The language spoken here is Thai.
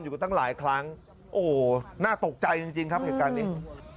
กันตั้งหลายครั้งโอ้โหน่าตกใจจริงครับเหตุการณ์นี้